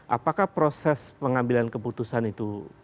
apakah proses pengambilan keputusan itu